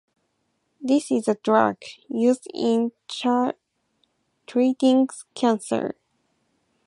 This is a drug used in treating cancer.